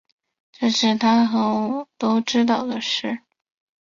这是他跟我都知道的事